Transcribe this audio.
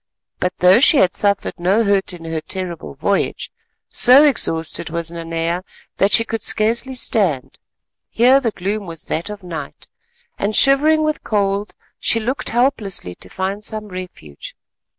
But though she had suffered no hurt in her terrible voyage, so exhausted was Nanea that she could scarcely stand. Here the gloom was that of night, and shivering with cold she looked helplessly to find some refuge.